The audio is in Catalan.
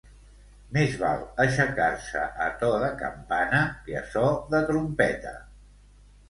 Més val aixecar-se a to de campana que a so de trompeta.